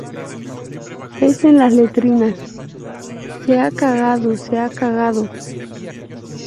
es en las letrinas. se ha cagado. ¡ se ha cagado!